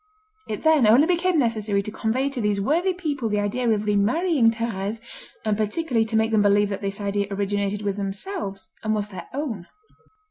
It then only became necessary to convey to these worthy people the idea of remarrying Thérèse, and particularly to make them believe that this idea originated with themselves, and was their own.